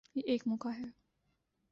یہ ایک موقع ہے۔